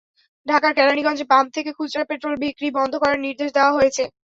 ঢাকার কেরানীগঞ্জে পাম্প থেকে খুচরা পেট্রল বিক্রি বন্ধ করার নির্দেশ দেওয়া হয়েছে।